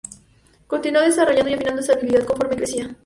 Continuó desarrollando y refinando esa habilidad conforme crecía.